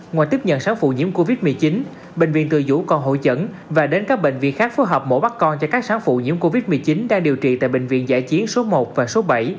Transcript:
ngoài tiếp nhận sản phụ nhiễm covid một mươi chín bệnh viện từ dũ còn hội chẩn và đến các bệnh viện khác phối hợp mổ bắt con cho các sáng phụ nhiễm covid một mươi chín đang điều trị tại bệnh viện giải chiến số một và số bảy